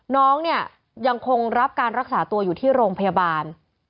น้องเนี่ยยังคงรับการรักษาตัวอยู่ที่โรงพยาบาล